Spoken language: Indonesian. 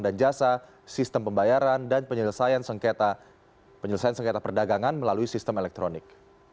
dan jasa sistem pembayaran dan penyelesaian sengketa perdagangan melalui sistem elektronik